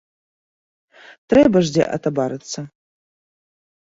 Трэба ж дзе атабарыцца.